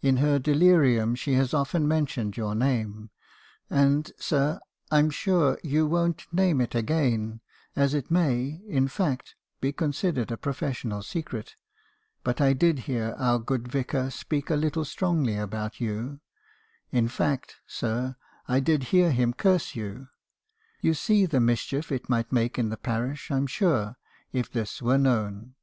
In her delirium she has often mentioned your name; and, sir, I'm sure you won't name it again, as it may, in fact, be considered a pro fessional secret; but I did hear our good Vicar speak a little strongly about you; in fact, sir, I did hear him curse you. You see the mischief it might make in the parish, I 'm sure, if this were known.'